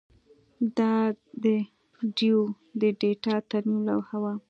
دا د ډیو د ډیټا ترمیم لوحه وه